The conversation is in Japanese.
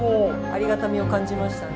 ありがたみを感じましたね。